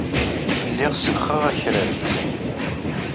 Lliɣ sellxeɣ akraren.